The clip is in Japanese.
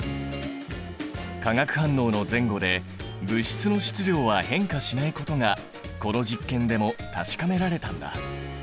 化学反応の前後で物質の質量は変化しないことがこの実験でも確かめられたんだ。